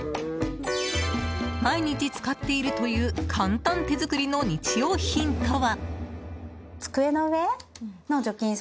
毎日使っているという簡単手作りの日用品とは。